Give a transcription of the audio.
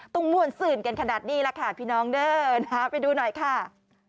ม่วนซื่นกันขนาดนี้แหละค่ะพี่น้องเดินหาไปดูหน่อยค่ะ